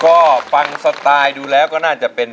ก็ฟังสไตล์ดูแล้วก็น่าจะเป็น